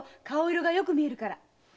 顔色がよく見えるから。